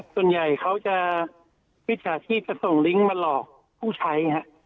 ส่วนใหญ่เขาจะมิจฉาชีพจะส่งลิงก์มาหลอกผู้ใช้